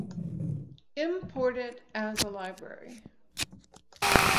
Import it as a library